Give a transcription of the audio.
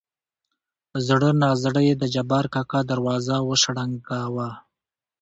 زړه نازړه يې د جبار کاکا دروازه وشرنګه وه.